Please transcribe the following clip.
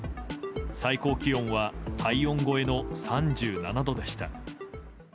最高気温は体温超えの３７度でした。